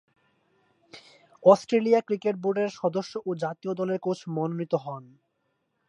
Australia cricket বোর্ডের সদস্য ও জাতীয় দলের কোচ মনোনীত হন।